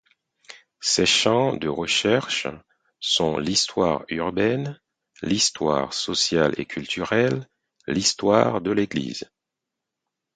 Ses champs de recherche sont l’histoire urbaine, l’histoire sociale et culturelle, l’histoire de l’église.